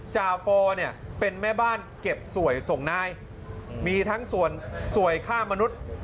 จาฟอร์เนี่ยเป็นแม่บ้านเก็บสวยส่งนายมีทั้งส่วนสวยฆ่ามนุษย์